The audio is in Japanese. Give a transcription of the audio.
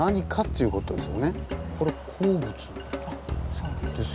そうです。